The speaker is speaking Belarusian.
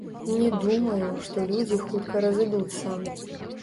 Не думаю, што людзі хутка разыдуцца.